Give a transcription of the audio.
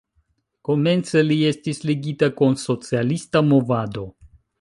Komence li estis ligita kun socialista movado.